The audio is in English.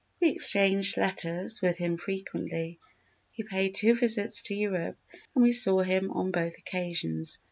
We exchanged letters with him frequently; he paid two visits to Europe and we saw him on both occasions.